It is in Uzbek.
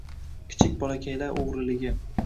Kichik bolakaylar o‘g‘riligi.